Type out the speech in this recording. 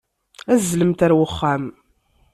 Azzlemt ɣer uxxam.